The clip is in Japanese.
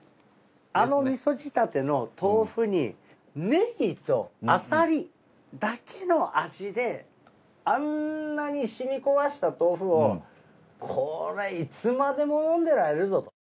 あの味噌仕立ての豆腐にネギとアサリだけの味であんなに染み込ませた豆腐をこれいつまでも飲んでられるぞと。